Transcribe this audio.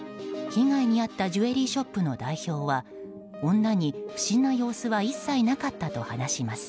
被害に遭ったジュエリーショップの代表は女に不審な様子は一切なかったと話します。